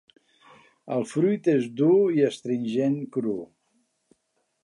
El fruit és dur i astringent cru.